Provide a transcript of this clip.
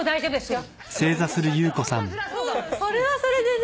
それはそれでね。